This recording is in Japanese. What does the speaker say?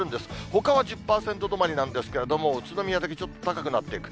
ほかは１０％止まりなんですけれども、宇都宮だけちょっと高くなっていく。